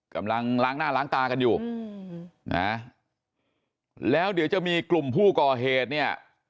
กำลังล้างหน้าล้างตากันอยู่นะแล้วเดี๋ยวจะมีกลุ่มผู้ก่อเหตุเนี่ย